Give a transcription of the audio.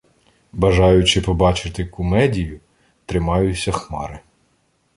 Бажаючи побачити "кумедію", тримаюся Хмари.